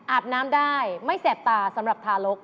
อาบน้ำได้ไม่แสบตาสำหรับทารก